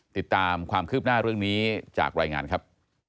ติดตามความคืบหน้าเรื่องนี้จากรายงานครับ